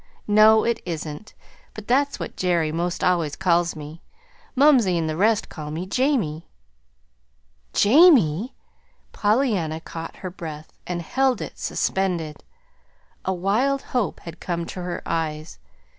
"No, it isn't; but that's what Jerry 'most always calls me. Mumsey and the rest call me 'Jamie.'" "'JAMIE!'" Pollyanna caught her breath and held it suspended. A wild hope had come to her eyes.